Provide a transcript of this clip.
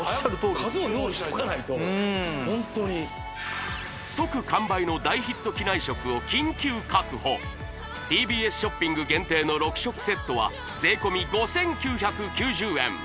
数を用意しとかないとホントに即完売の大ヒット機内食を緊急確保ＴＢＳショッピング限定の６食セットは税込５９９０円